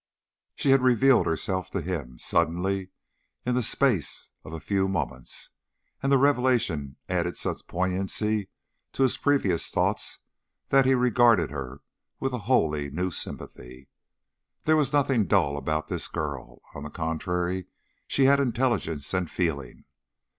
She had revealed herself to him, suddenly, in the space of a few moments, and the revelation added such poignancy to his previous thoughts that he regarded her with a wholly new sympathy. There was nothing dull about this girl. On the contrary, she had intelligence and feeling.